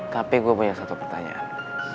tapi gue punya satu pertanyaan